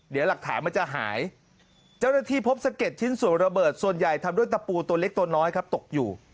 เดี๋ยวหลักฐานมันจะหายเจ้าหน้าที่พบสะเก็ดชิ้นส่วนระเบิดส่วนใหญ่ทำด้วยตะปูตัวเล็กตัวน้อยครับตกอยู่